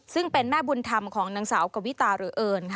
ซึ่งเป็นแม่บุญธรรมของนางสาวกวิตาหรือเอิญ